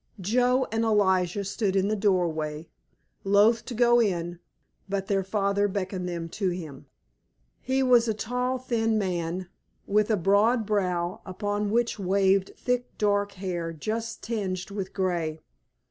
Joe and Elijah stood in the doorway, loath to go in, but their father beckoned them to him. He was a tall, thin man, with a broad brow upon which waved thick dark hair just tinged with grey.